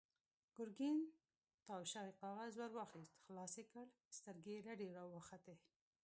ګرګين تاو شوی کاغذ ور واخيست، خلاص يې کړ، سترګې يې رډې راوختې.